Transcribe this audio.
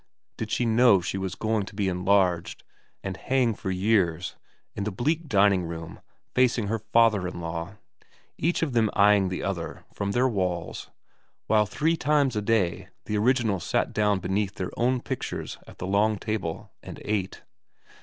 Did she know she was going to be enlarged and hang for years in the bleak dining room facing her father in law, each of them eyeing the other from their walls, while three times a day the originals sat down beneath their own pictures at the long table and ate